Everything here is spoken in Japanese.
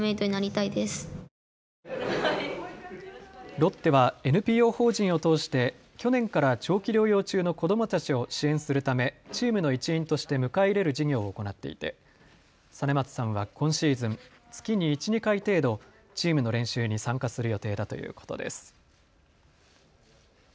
ロッテはＮＰＯ法人を通して去年から長期療養中の子どもたちを支援するためチームの一員として迎え入れる事業を行っていて實松さんは今シーズン、月に１、２回程度チームの練習に参加する予定だということです。